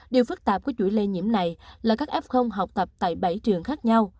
điều phức tạp của chuỗi lây nhiễm này là các f học tập tại bảy trường khác nhau